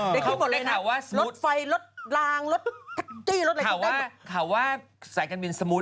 แล้วก็ได้ลื้อฟื้นภาษาเยอะมานิดหน่อย